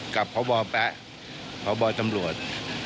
กับพระบ่อแป๊ะเพราะบ่อตำรวจ